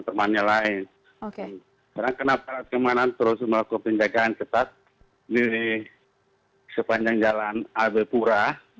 karena kenapa kemanan terus melakukan penjagaan ketat di sepanjang jalan abel pura